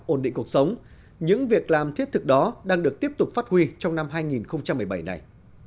ổn định cuộc sống những việc làm thiết thực đó đang được tiếp tục phát huy trong năm hai nghìn một mươi bảy này